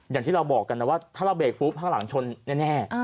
อย่างที่เราบอกกันนะว่าถ้าเราเบรกปุ๊บข้างหลังชนแน่